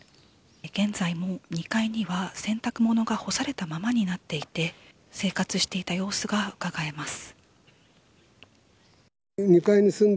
現在も２階には洗濯物が干されたままになっていて生活していた様子がうかがえます。